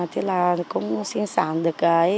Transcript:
thì là cũng sinh sản được cái